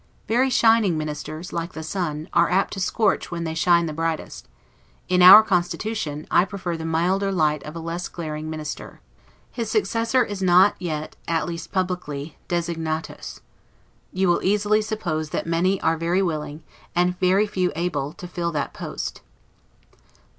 Very shining ministers, like the sun, are apt to scorch when they shine the brightest: in our constitution, I prefer the milder light of a less glaring minister. His successor is not yet, at least publicly, 'designatus'. You will easily suppose that many are very willing, and very few able, to fill that post.